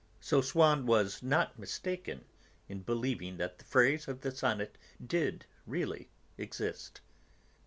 So Swann was not mistaken in believing that the phrase of the sonata did, really, exist.